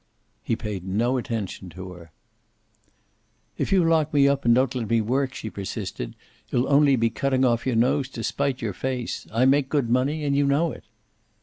He paid no attention to her. "If you lock me up and don't let me work," she persisted, "you'll only be cutting off your nose to spite your face. I make good money, and you know it."